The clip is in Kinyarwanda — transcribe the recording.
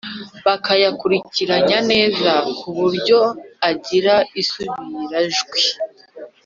bakayakurikiranya neza kuburyo agira isubira jwi